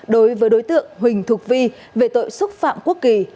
đối với đối tượng huỳnh thục vi về tội xúc phạm quốc kỳ